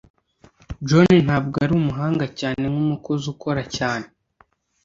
John ntabwo ari umuhanga cyane nkumukozi ukora cyane.